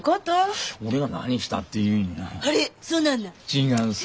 違うさ。